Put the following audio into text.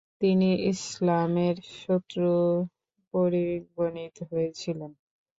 তিনি ইসলামের শত্রু পরিগণিত হয়েছিলেন।